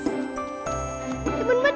iya kak timun mas